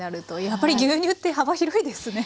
やっぱり牛乳って幅広いですね